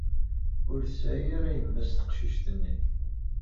Ur tesɛi ara yemma-s teqcict-nni.